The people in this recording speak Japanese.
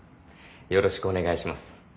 よろしくお願いします。